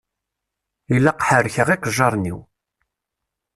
Ilaq ḥerrkeɣ iqejjaṛen-iw.